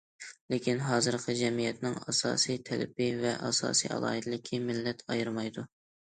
لېكىن، ھازىرقى جەمئىيەتنىڭ ئاساسىي تەلىپى ۋە ئاساسىي ئالاھىدىلىكى مىللەت ئايرىمايدۇ.